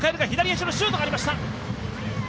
左足のシュートがありました。